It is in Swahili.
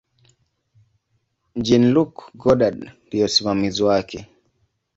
Jean-Luc Godard ndiye msimamizi wake.